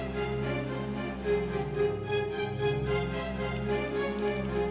lihat dia udah jadi anak yang baik